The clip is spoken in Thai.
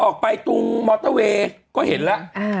ออกไปตรงมอเตอร์เวย์ก็เห็นแล้ว